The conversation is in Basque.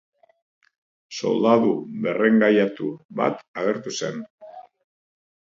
Soldadu berrengaiatu bat agertu zen.